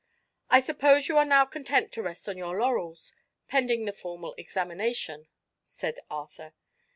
"I suppose you are now content to rest on your laurels, pending the formal examination?" said Arthur.